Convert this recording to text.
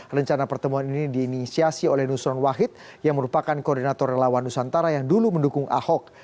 rencana pertemuan ini diinisiasi oleh nusron wahid yang merupakan koordinator relawan nusantara yang dulu mendukung ahok